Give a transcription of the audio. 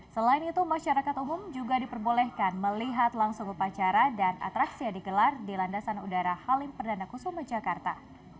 selain itu masyarakat umum juga diperbolehkan melihat langsung upacara dan atraksi yang digelar di landasan udara halim perdana kusuma jakarta